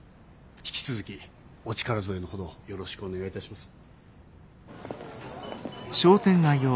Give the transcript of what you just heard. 引き続きお力添えのほどよろしくお願いいたします。